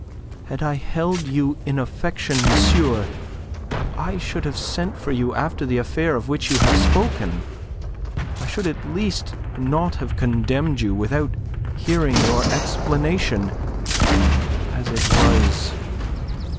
Had I held you in affection, monsieur, I should have sent for you after the affair of which you have spoken. I should at least not have condemned you without hearing your explanation. As it was..."